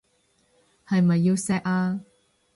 係咪要錫啊？